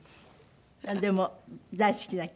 でも大好きな曲？